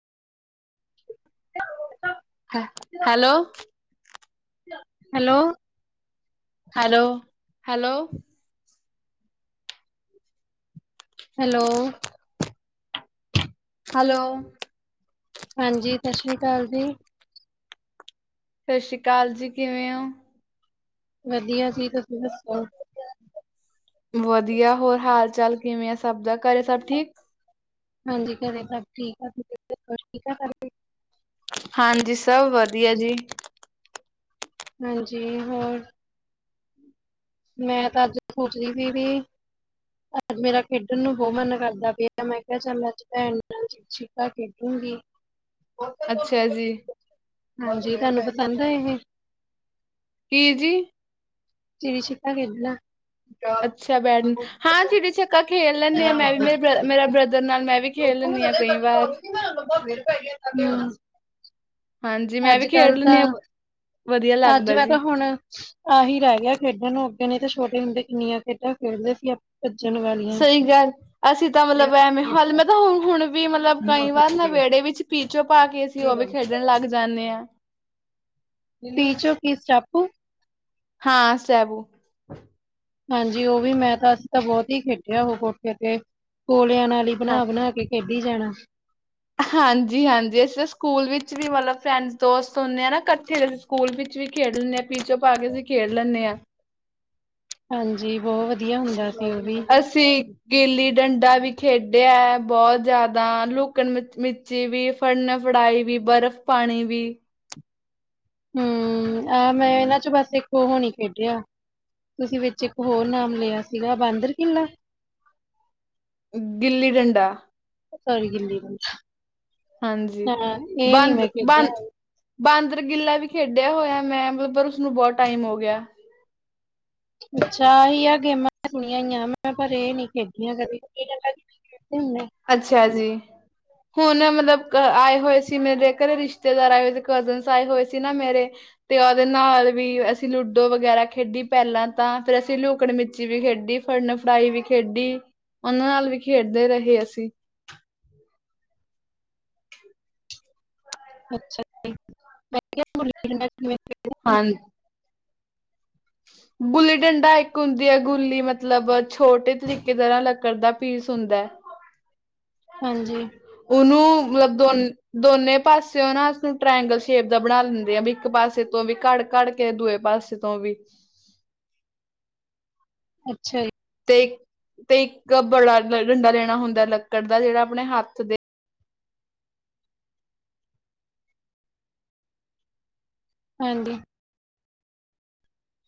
[inaudible] Hello hello hello- hello hello hello ਹਾਂਜੀ ਸਤਿ ਸ੍ਰੀ ਅਕਾਲ ਜੀ। ਸਤਿ ਸ੍ਰੀ ਅਕਾਲ ਜੀ ਕਿਵੇਂ ਹੋ। ਵਧੀਆ ਸੀ ਤੁਸੀਂ ਦੱਸੋ। ਵਧੀਆ ਹੋਰ ਹਾਲ ਚਾਲ ਕਿਵੇਂ ਆ ਸਭ ਦਾ ਘਰੇ ਸਭ ਠੀਕ। ਹਾਂਜੀ ਘਰੇ ਸਭ ਠੀਕ ਆ ਠੀਕ ਆ ਸਾਰੇ ਹਾਂਜੀ ਸਭ ਵਧੀਆ ਜੀ। ਹਾਂਜੀ ਹੋਰ ਮੈਂ ਤਾਂ ਅੱਜ ਸੋਚਦੀ ਸੀ ਵੀ ਅੱਜ ਮੇਰਾ ਖੇਡਣ ਨੂੰ ਬਹੁਤ ਮਨ ਕਰਦਾ ਪਿਆ ਮੈਂ ਕਿਹਾ ਚਾਹਦਾ ਅੱਜ ਭੈਣ ਨਾਲ ਚਿੜੀ ਛਿੱਕਾ ਖੇਡੂੰਗੀ। ਅੱਛਾ ਜੀ ਹਾਂਜੀ ਤੁਹਾਨੂੰ ਪਸੰਦ ਹੈ ਇਹ ਕੀ ਜੀ। ਚਿੜੀ ਛਿੱਕਾ ਖੇਡਣਾ। ਅੱਛਾ ਬੈਡ ਹਾਂ ਚਿੜੀ ਛਿੱਕਾ ਖੇਲ ਲੈਂਣੇ ਹਾਂ ਮੈਂ ਵੀ ਮੇ ਮੇਰਾ ਬ੍ਰਦਰ ਨਾਲ ਮੈਂ ਵੀ ਖੇਲ ਲੈਂਦੀ ਹਾਂ ਕਈ ਵਾਰ [unintelligible] ਹਾਂਜੀ ਮੈਂ ਵੀ ਅੱਜ ਖੇਡ ਕੱਲ ਲੈਂਦੀ ਤਾਂ ਹਾਂ ਵਧੀਆ ਅੱਜ ਲੱਗਦਾ ਮੈਂ ਤਾਂ ਜੀ। ਹੁਣ ਆਹੀ ਰਹਿ ਗਿਆ ਖੇਡਣ ਨੂੰ ਅੱਗੇ ਨੇ ਤੇ ਛੋਟੇ ਹੁੰਦੇ ਕਿੰਨੀਆਂ ਖੇਡਾਂ ਖੇਡਦੇ ਸੀ। ਭੱਜਣ ਵਾਲੇ ਸਹੀ ਗੱਲ ਅਸੀਂ ਤਾਂ ਮਤਲਬ ਐਵੇਂ ਹਾਲ ਮੈਂ ਤਾਂ ਹੁ ਹੁਣ ਵੀ ਮਤਲਬ ਕਈ ਵਾਰ ਨ ਵੇੜੇ ਵਿੱਚ ਪੀਚੋ ਪਾ ਕੇ ਅਸੀਂ ਉਹ ਵੀ ਖੇਡਣ ਲੱਗ ਜਾਂਦੇ ਹਾਂ। ਪੀਚੋਂ ਕੀ ਸਟਾਪੂ ਹਾਂ ਸਟੇਬੂ ਹਾਂਜੀ ਉਹ ਵੀ ਮੈਂ ਤਾਂ ਅਸੀ ਤਾਂ ਬਹੁਤ ਹੀ ਖੇਡਿਆ ਉਹ ਕੋਠੇ ਤੇ ਕੋਲਿਆਂ ਨਾਲ ਹੀ ਹਾਂ ਬਣਾ -ਬਣਾ ਕੇ। ਖੇਡੀ ਜਾਣਾ। ਹਾਂਜੀ -ਹਾਂਜੀ ਅਸੀ ਤਾਂ ਸਕੂਲ ਵਿੱਚ ਵੀ ਮਤਲਬ ਫਰੈਂਡਸ ਦੋਸਤ ਹੁੰਦੇ ਆ ਨਾ ਕੱਠੇ ਸਕੂਲ ਵਿੱਚ ਵੀ ਖੇਡ ਲੈਂਦੇ ਹਾਂ ਪੀਚੋ ਪਾ ਕੇ ਅਸੀਂ ਖੇਡ ਲੈਂਣੇ ਆਂ। ਹਾਂਜੀ ਬਹੁਤ ਵਧੀਆ ਹੁੰਦਾ। ਸੀ ਉਹ ਵੀ ਅਸੀਂ ਗਿੱਲੀ ਡੰਡਾ ਵੀ ਖੇਡਿਆ ਹੈ ਬਹੁਤ ਜ਼ਿਆਦਾ ਲੁਕਣ ਮੀਚ ਚੀ ਵੀ ਫੜਨਾ ਫੜਾਈ ਵੀ ਬਰਫ਼ ਪਾਣੀ ਵੀ ਹੂੰ ਆਹ ਮੈਂ ਇਹਨਾਂ 'ਚ ਬਸ ਇੱਕੋ ਹੁਣੇ ਹੀਂ ਖੇਡਿਆ। ਤੁਸੀਂ ਵਿੱਚ ਇੱਕ ਹੋਰ ਨਾਮ ਲਿਆ ਸੀਗਾ ਬਾਂਦਰ ਕਿਲਾ ਗਿੱਲੀ ਡੰਡਾ ਹਾਂਜੀ ਗਿੱਲੀ ਡੰਡਾ ਹਾਂਜੀ ਹਾਂ ਇਹ ਨੀ ਬੰਦ- ਮੈਂ ਖੇਡਿਆ ਬੰਦ ਬਾਂਦਰ ਗਿੱਲਾ ਵੀ ਖੇਡਿਆ ਹੋਇਆ ਮੈਂ ਪਰ ਉਸਨੂੰ ਬਹੁਤ ਟਾਈਮ ਹੋ ਗਿਆ। ਅੱਛਾ ਇਹੀ ਹੈ ਗੇਮਾਂ। ਦਣਈ ਮੈਂ ਪਰ ਇਹ ਨੀ ਖੇਡੀਆਂ ਕਦੇ। ਅੱਛਾ ਜੀ। ਹੁਣ ਮਤਲਬ ਆਏ ਹੋਏ ਸੀ ਮੇਰੇ ਘਰੇ ਰਿਸ਼ਤੇਦਾਰ ਆਏ ਹੋਏ ਸੀ ਕਜ਼ਨ ਸ ਆਏ ਹੋਏ ਸੀ ਨਾ ਮੇਰੇ। ਤੇ ਉਹਦੇ ਨਾਲ ਵੀ ਅਸੀਂ ਲੂਡੋ ਵਗੈਰਾ ਖੇਡੀ ਪਹਿਲਾਂ ਤਾਂ ਫੇਰ ਅਸੀਂ ਲੁਕਣ ਮਿਚੀ ਵੀ ਖੇਡੀ। ਫੜਨ ਫੜਾਈ ਵੀ ਖੇਡੀ ਉਹਨਾਂ ਨਾਲ ਵੀ ਖੇਡਦੇ ਰਹੇ ਅਸੀਂ। ਅੱਛਾ। ਹਾਂਜੀ। ਗੁੱਲੀ ਡੰਡਾ ਇੱਕ ਹੁੰਦੀ ਹੈ ਗੁੱਲੀ ਮਤਲਬ ਛੋਟੇ ਤਰੀਕੇਦ ਨਾਲ ਲੱਕੜ ਦਾ ਪੀਸ ਹੁੰਦਾ ਹੈ। ਹਾਂਜੀ। ਉਹਨੂੰ [unintelligible] ਦੋ ਦੋਨੇ ਪਾਸਿਓ ਨਾ ਅਜ ਕਲ ਟ੍ਰਂਗਲ ਸ਼ੇਪ ਦਾ ਬਣਾ ਲੈਂਦੇ ਆ ਵੀ ਇੱਕ ਪਾਸੇ ਤੋਂ ਵੀ ਘੜ ਘੜ ਕੇ ਦੂਏ ਪਾਸੇ ਤੋਂ ਤਾ ਵਿੱਚ ਅੱਛਾ ਜੀ। ਤੇ ਤੇ ਇੱਕ ਬੜਾ ਡੰਡਾ ਲੈਣਾ ਹੁੰਦਾ ਲੱਕੜ ਦਾ ਜਿਹੜਾ ਆਪਣੇ ਹੱਥ ਦੇ ਹਾਂਜੀ।